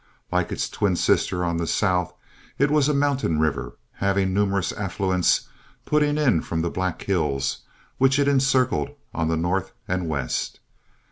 Like its twin sister on the south, it was a mountain river, having numerous affluents putting in from the Black Hills, which it encircled on the north and west.